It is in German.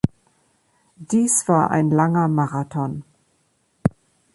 Dies war ein langer Marathon.